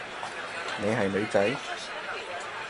你係女仔？